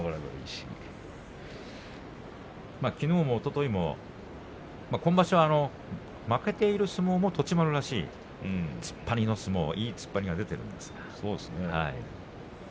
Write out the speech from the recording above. きのうもおとといも今場所は負けている相撲も栃丸らしい突っ張りの相撲が出ているんですね。